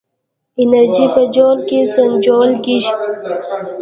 انرژي په جول کې سنجول کېږي.